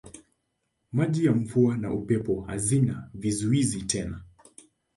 Maji ya mvua na upepo hazina vizuizi tena.